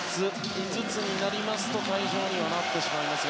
５つになりますと退場になってしまいます。